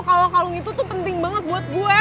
kalau kalung itu tuh penting banget buat gue